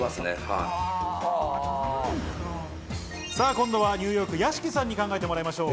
今度はニューヨーク・屋敷さんに考えてもらいましょう。